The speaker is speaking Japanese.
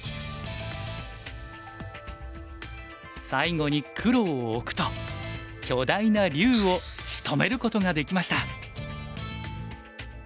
最後に黒を置くと巨大な龍をしとめることができました。